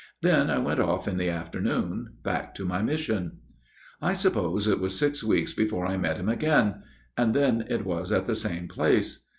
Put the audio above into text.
Then I went off in the afternoon back to my mission. " I suppose it was six weeks before I met him again, and then it was at the same place.